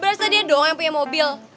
berasa dia doang yang punya mobil